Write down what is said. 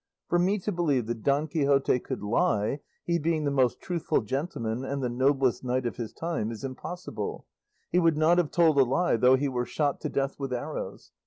For me to believe that Don Quixote could lie, he being the most truthful gentleman and the noblest knight of his time, is impossible; he would not have told a lie though he were shot to death with arrows.